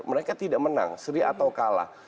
mereka tidak menang seri atau kalah